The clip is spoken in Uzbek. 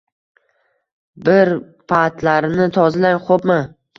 Bi-ir patlarini tozalang, xo`pmi